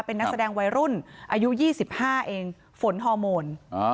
เป็นนักแสดงวัยรุ่นอายุ๒๕เองฝนฮอร์โมน